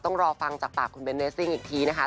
ต้องรอฟังจากปากคุณเบนเรสซิ่งอีกทีนะคะ